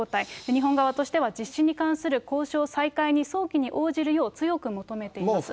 日本側としては、実施に関する交渉再開に早期に応じるよう強く求めています。